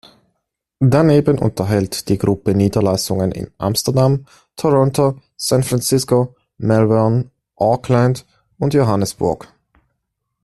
Daneben unterhält die Gruppe Niederlassungen in Amsterdam, Toronto, San Francisco, Melbourne, Auckland und Johannesburg.